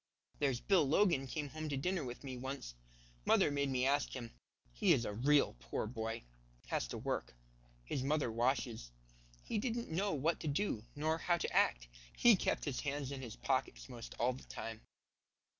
There's Bill Logan came home to dinner with me once. Mother made me ask him. He is a real poor boy; has to work. His mother washes. He didn't know what to do nor how to act. He kept his hands in his pockets most all the time.